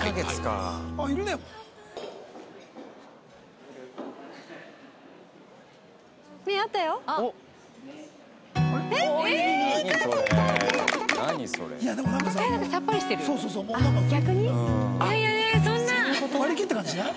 割り切った感じしない？